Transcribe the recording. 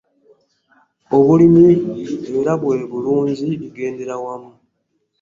Obulimi era bwe bulunzi bigendera wamu.